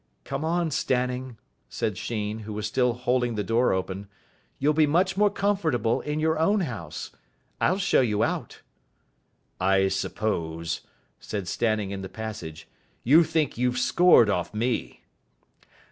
"Come on, Stanning," said Sheen, who was still holding the door open, "you'll be much more comfortable in your own house. I'll show you out." "I suppose," said Stanning in the passage, "you think you've scored off me."